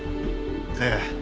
ええ。